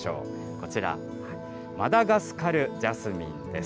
こちら、マダガスカルジャスミンです。